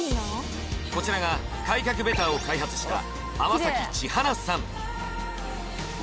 こちらが開脚ベターを開発した天咲千華さん